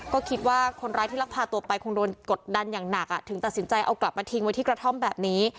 ก็คิดว่าคนร้ายที่ลักพาตัวไปคงโดนกดดันอย่างหนักถึงตัดสินใจเอากลับมาทิ้งไว้ที่กระท่อมแบบนี้